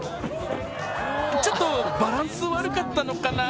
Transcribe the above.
ちょっとバランス、悪かったのかな